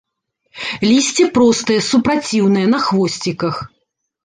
Лісце простае, супраціўнае, на хвосціках.